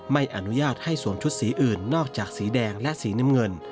ไม่อนุญาตให้สวมชุดสีอื่นนอกจากสีแดงและสีน้ำเงิน